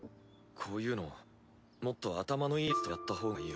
こういうのもっと頭のいいヤツとやったほうがいいよ。